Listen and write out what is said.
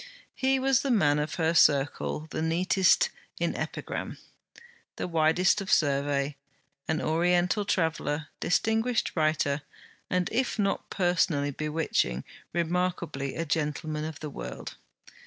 He was the man of her circle the neatest in epigram, the widest of survey, an Oriental traveller, a distinguished writer, and if not personally bewitching, remarkably a gentleman of the world.